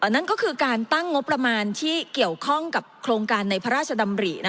นั่นก็คือการตั้งงบประมาณที่เกี่ยวข้องกับโครงการในพระราชดำริ